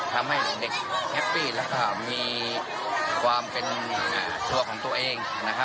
ทำให้เด็กแฮปปี้แล้วก็มีความเป็นตัวของตัวเองนะครับ